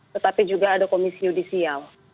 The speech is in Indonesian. tetapi juga ada komisi yudisial